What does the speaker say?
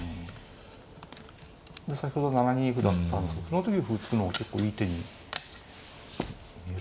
先ほど７二歩だったんですけどその時歩突くのは結構いい手に見えるけどなあ。